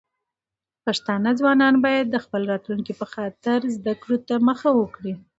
پښتانه ځوانان بايد د خپل راتلونکي په خاطر زده کړو ته مخه کړي.